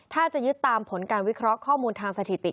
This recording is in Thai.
ถ้าจะยึดตามผลการวิเคราะห์ข้อมูลทางสถิติ